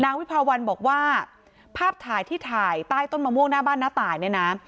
วิภาวันบอกว่าภาพถ่ายที่ถ่ายใต้ต้นมะม่วงหน้าบ้านน้าตายเนี่ยนะ